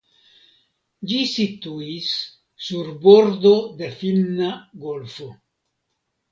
Ĝi situis sur bordo de Finna Golfo.